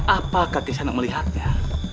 apakah kisah anak melihatnya